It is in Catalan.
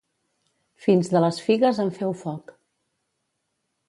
Fins de les figues en feu foc.